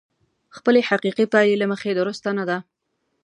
خپلې حقيقي پايلې له مخې درسته نه ده.